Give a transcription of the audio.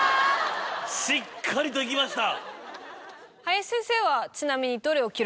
しっかりといきました。